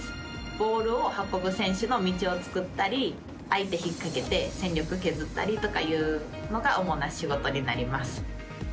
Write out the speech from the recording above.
ボールを運ぶ選手の道をつくったり相手ひっかけて戦力削ったりとかいうのが主な仕事になります。